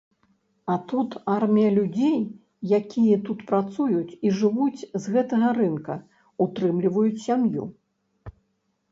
А тут армія людзей, якія тут працуюць і жывуць з гэтага рынка, утрымліваюць сям'ю.